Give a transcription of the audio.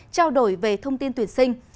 trao đổi về thông tin tuyển sinh